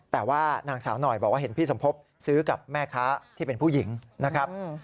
แต่ว่านางสาวหน่อยบอกว่าเห็นพี่สมภพซื้อกับแม่ค้าที่เป็นผู้หญิงนะครับ